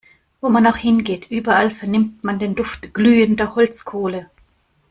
Wo man auch hingeht, überall vernimmt man den Duft glühender Holzkohle.